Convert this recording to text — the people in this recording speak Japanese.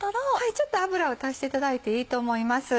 ちょっと油を足していただいていいと思います。